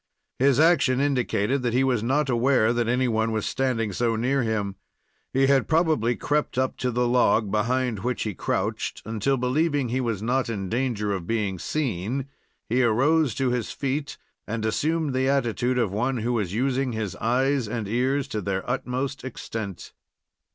His action indicated that he was not aware that any one was standing so near him. He had probably crept up to the log behind which he crouched, until, believing he was not in danger of being seen, he arose to his feet and assumed the attitude of one who was using his eyes and ears to their utmost extent.